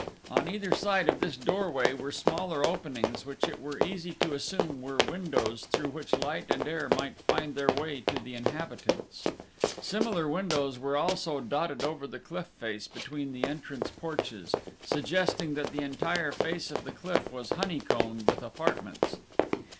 On either side of this doorway were smaller openings which it were easy to assume were windows through which light and air might find their way to the inhabitants. Similar windows were also dotted over the cliff face between the entrance porches, suggesting that the entire face of the cliff was honeycombed with apartments.